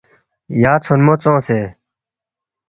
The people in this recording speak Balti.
یا ژھونمو ژونگسے